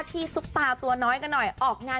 ตื่นเต้นมั้ยคะ